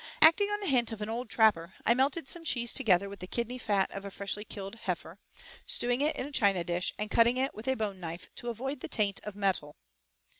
Acting on the hint of an old trapper, I melted some cheese together with the kidney fat of a freshly killed heifer, stewing it in a china dish, and cutting it with a bone knife to avoid the taint of metal.